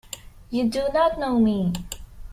You do not know me?